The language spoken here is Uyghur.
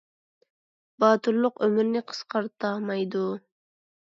باتۇرلۇق ئۆمۇرنى قىسقارتامايدۇ